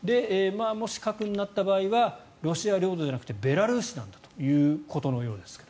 もし、核になった場合はロシア領土じゃなくてベラルーシなんだということのようですが。